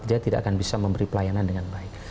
dia tidak akan bisa memberi pelayanan dengan baik